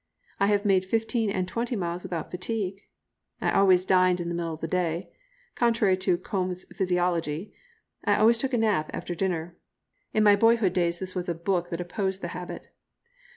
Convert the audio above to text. I have made fifteen and twenty miles without fatigue. I always dined in the middle of the day. Contrary to "Combes' Physiology," I always took a nap after dinner. In my boyhood days this was a book that opposed the habit.